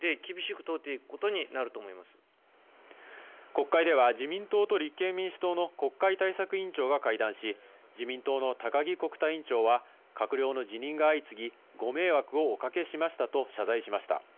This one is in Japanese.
国会では自民党と立憲民主党の国会対策委員長が会談し、自民党の高木国対委員長は閣僚の辞任が相次ぎ、ご迷惑をおかけしましたと謝罪しました。